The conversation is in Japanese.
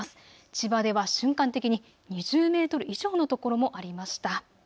千葉では瞬間的に２０メートル以上の所もありました。